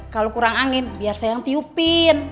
kalau kurang angin biar saya yang tiupin